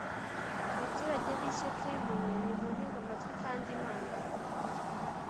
baturage b i Shekemu mwe nimuntege amatwi kandi Imana